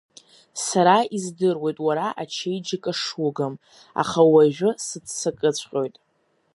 Сара издыруеит уара ачеиџьыка шугым, аха уажәы сыццакыҵәҟьоит.